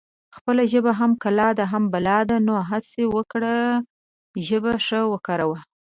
خپله ژبه هم کلا ده هم بلا نو هسه وکړی ژبه ښه وکاروي